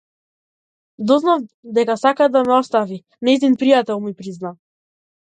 Дознав дека сака да ме остави, нејзин пријател ми призна.